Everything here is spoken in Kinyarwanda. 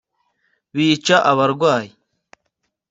bica abarwayi